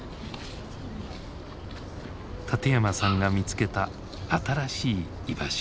館山さんが見つけた新しい居場所。